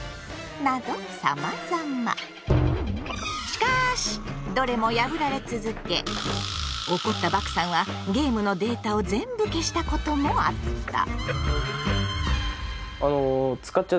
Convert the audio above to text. しかしどれも破られ続け怒ったバクさんはゲームのデータを全部消したこともあった。